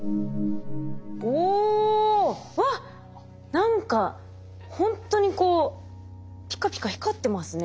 何かほんとにこうピカピカ光ってますね。